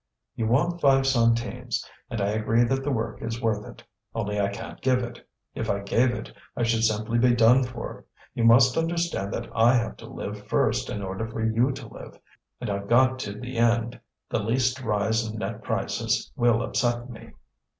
"You want five centimes, and I agree that the work is worth it. Only I can't give it. If I gave it I should simply be done for. You must understand that I have to live first in order for you to live, and I've got to the end, the least rise in net prices will upset me.